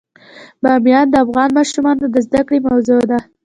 بامیان د افغان ماشومانو د زده کړې موضوع ده.